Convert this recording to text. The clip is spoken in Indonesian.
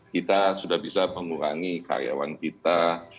kita sudah bisa mengurangi karyawan kita